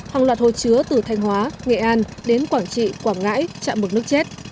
hàng loạt hồ chứa từ thanh hóa nghệ an đến quảng trị quảng ngãi chạm bực nước chết